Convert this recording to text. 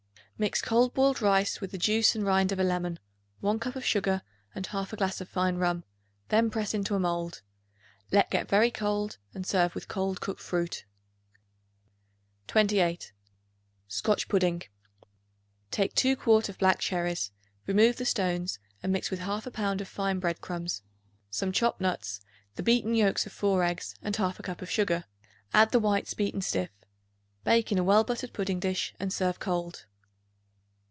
Mix cold boiled rice with the juice and rind of a lemon, 1 cup of sugar and 1/2 glass of fine rum; then press into a mold. Let get very cold and serve with cold cooked fruit. 28. Scotch Pudding. Take 2 quart of black cherries; remove the stones and mix with 1/2 pound of fine bread crumbs, some chopped nuts, the beaten yolks of 4 eggs and 1/2 cup of sugar. Add the whites beaten stiff. Bake in a well buttered pudding dish and serve cold.